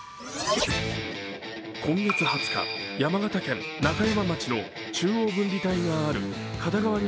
今月２０日、山形県中山町の中央分離帯がある片側